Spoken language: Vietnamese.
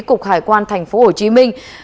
cục hải quan thành phố hồ chí minh